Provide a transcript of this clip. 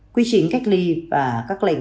quy trình cách ly và các lệnh